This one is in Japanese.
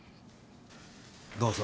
どうぞ。